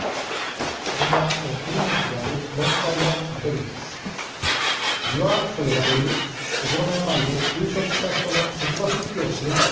こちらクリニックがある４階の見取り図です。